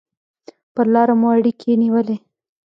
پر لاره مو اړیکې نیولې.